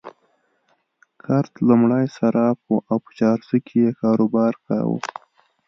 کرت لومړی صراف وو او په چارسو کې يې کاروبار کاوه.